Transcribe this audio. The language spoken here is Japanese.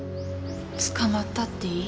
捕まったっていい。